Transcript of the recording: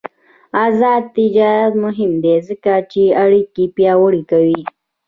آزاد تجارت مهم دی ځکه چې اړیکې پیاوړې کوي.